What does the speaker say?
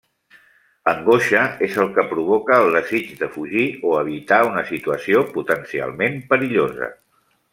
L'angoixa és el que provoca el desig de fugir o evitar una situació potencialment perillosa.